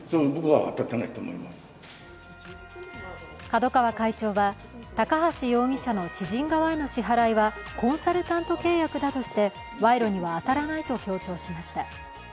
角川会長は高橋容疑者の知人側への支払いはコンサルタント契約だとして賄賂には当たらないと強調しました。